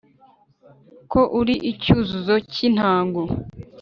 ko uri icyuzuzo cy’intango